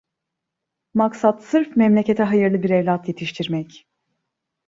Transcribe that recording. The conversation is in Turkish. Maksat sırf memlekete hayırlı bir evlat yetiştirmek…